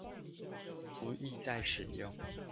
不易再使用